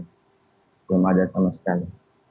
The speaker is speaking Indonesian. belum ada sama sekali